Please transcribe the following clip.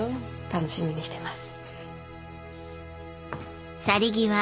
楽しみにしてます。